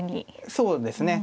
そうですね。